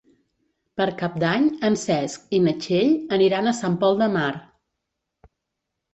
Per Cap d'Any en Cesc i na Txell aniran a Sant Pol de Mar.